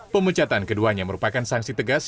pemecatan keduanya merupakan sanksi tegas